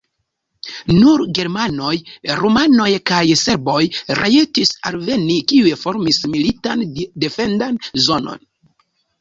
Nur germanoj, rumanoj kaj serboj rajtis alveni, kiuj formis militan defendan zonon.